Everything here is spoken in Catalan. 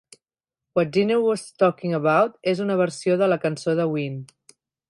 "What Deaner Was Talking About" és una versió de la cançó de Ween.